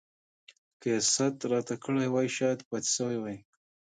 که يې ست راته کړی وای شايد پاته سوی وای.